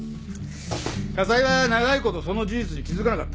家裁は長いことその事実に気付かなかった。